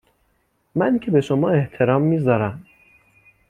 من که به شما احترام میذارم